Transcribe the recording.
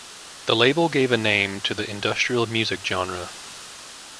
The label gave a name to the industrial music genre.